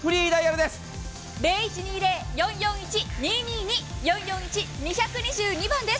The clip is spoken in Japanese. ０１２０‐４４１‐２２２４４１‐２２２番です。